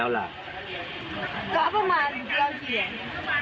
ก็ประมาณนี้เพียง